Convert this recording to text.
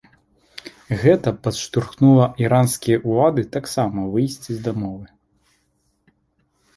Гэта падштурхнула іранскія ўлады таксама выйсці з дамовы.